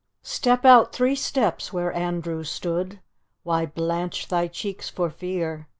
Step out diree steps where Andrew stood, Why blanch thy cheeks for fear?